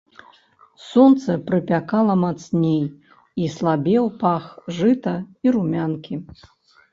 Сонца прыпякала мацней, і слабеў пах жыта і румянкі.